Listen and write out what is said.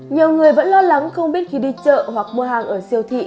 nhiều người vẫn lo lắng không biết khi đi chợ hoặc mua hàng ở siêu thị